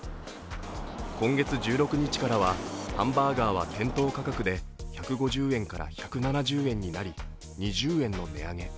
今月１６日からは、ハンバーガーは店頭価格で１５０円から１７０円になり２０円の値上げ。